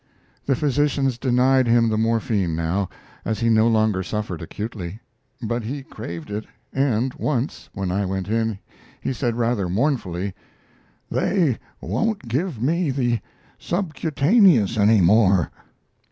The physicians denied him the morphine, now, as he no longer suffered acutely. But he craved it, and once, when I went in, he said, rather mournfully: "They won't give me the subcutaneous any more."